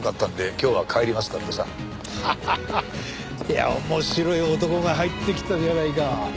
いやあ面白い男が入ってきたじゃないか。